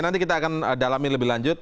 nanti kita akan dalami lebih lanjut